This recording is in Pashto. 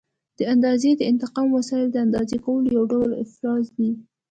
د اندازې د انتقال وسایل د اندازه کولو یو ډول افزار دي.